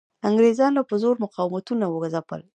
انګریزانو په زور مقاومتونه وځپل.